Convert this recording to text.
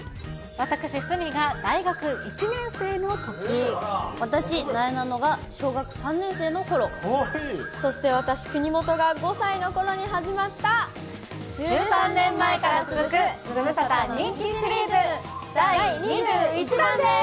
私、私、なえなのが小学３年生のそして私、国本が５歳のころに始まった、１３年前から続くズムサタ人気シリーズ第２１弾です。